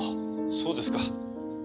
そうですか。